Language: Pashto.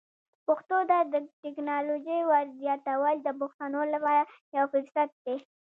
پښتو ته د ټکنالوژۍ ور زیاتول د پښتنو لپاره یو فرصت دی.